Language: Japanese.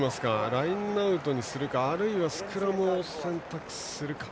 ラインアウトにするかあるいはスクラムを選択するか。